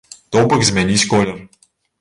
То бок змяніць колер.